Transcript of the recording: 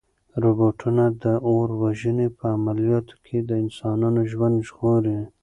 روبوټونه د اور وژنې په عملیاتو کې د انسانانو ژوند ژغوري.